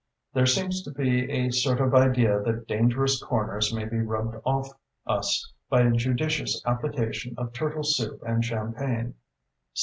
There seems to be a sort of idea that dangerous corners may be rubbed off us by a judicious application of turtle soup and champagne."